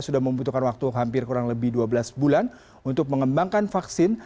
sudah membutuhkan waktu hampir kurang lebih dua belas bulan untuk mengembangkan vaksin